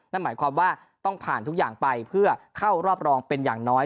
นั่นหมายความว่าต้องผ่านทุกอย่างไปเพื่อเข้ารอบรองเป็นอย่างน้อย